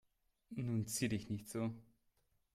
Nun zier dich nicht so.